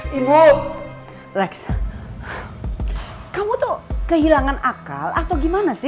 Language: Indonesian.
b implementasi biar suppressed me posisi kita lek sekarang ini lagi gak aman kalau nanti